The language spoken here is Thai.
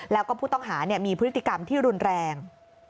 แล้วก็ผู้ต้องหามีพฤติกรรมที่รุนแรง